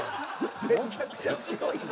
めっちゃくちゃ強いんや。